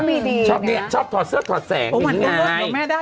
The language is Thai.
มีดีน่ะชอบเนี้ยชอบถอดเสื้อถอดแสงมันนั่วแม่ได้